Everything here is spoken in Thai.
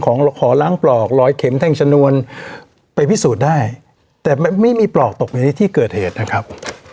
ขอขอล้างปลอกร้อยเข็มแท่งชนวนไปพิสูจน์ได้แต่ไม่มีปลอกตกในที่เกิดเหตุนะครับ